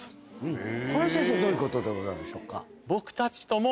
これ先生どういうことでございましょうか？